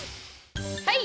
はい！